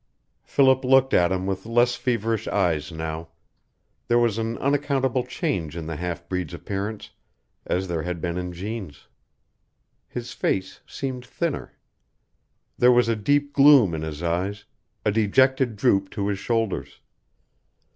Philip looked at him with less feverish eyes now. There was an unaccountable change in the half breed's appearance, as there had been in Jeanne's. His face seemed thinner. There was a deep gloom in his eyes, a dejected droop to his shoulders.